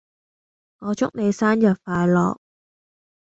我祝你生日快樂